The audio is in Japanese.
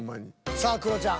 さあクロちゃん。